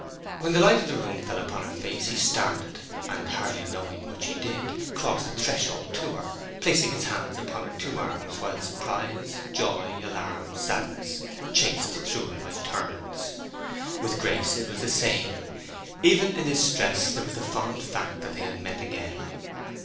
When the light of the room fell upon her face he started, and, hardly knowing what he did, crossed the threshold to her, placing his hands upon her two arms, while surprise, joy, alarm, sadness, chased through him by turns. With Grace it was the same: even in this stress there was the fond fact that they had met again.